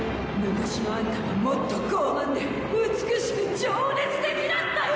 昔のアンタはもっと傲慢で美しく情熱的だったよ！